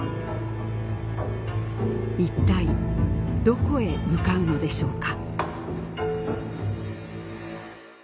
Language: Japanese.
一体どこへ向かうのでしょうか？